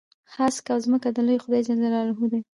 هسک او ځمکه د لوی خدای جل جلاله دي.